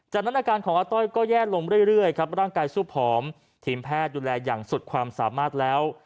จากนั้นอาการของอาต้อยก็แย่ลงเรื่อยครับร่างกายสู้ผอมทีมแพทย์ดูแลอย่างสุดความสามารถแล้ว